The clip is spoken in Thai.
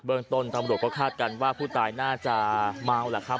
เบื้องต้นคิดหน่าว่าผู้ตายน่าจะเมาแหละครับ